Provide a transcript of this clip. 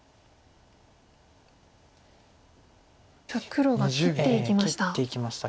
黒が切っていきました。